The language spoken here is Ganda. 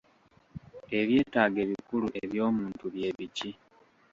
Ebyetaago ebikulu eby'omuntu bye biki?